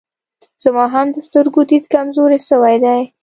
زما هم د سترګو ديد کمزوری سوی دی